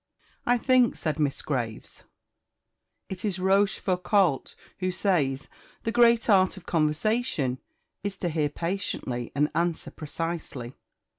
'" "I think," said Miss Graves, "it is Rochefoucault who says, 'The great art of conversation is to hear patiently and answer precisely.'"